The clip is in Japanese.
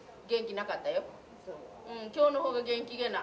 うん今日の方が元気げな。